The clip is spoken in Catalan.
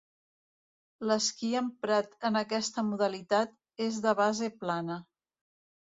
L'esquí emprat en aquesta modalitat és de base plana.